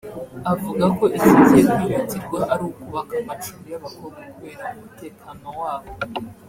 Avuga ko ikigiye kwihutirwa ari ukubaka amacumbi y’abakobwa kubera umutekano wabo